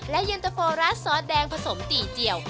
และเย็นตะโฟรัสซอสแดงผสมตีเจียว